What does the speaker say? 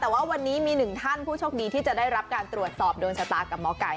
แต่ว่าวันนี้มีหนึ่งท่านผู้โชคดีที่จะได้รับการตรวจสอบโดนชะตากับหมอไก่